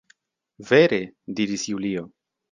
Vere! diris Julio.